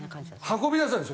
運び出すんですよ。